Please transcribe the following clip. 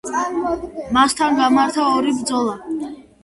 მასთან გამართა ორი ბრძოლა.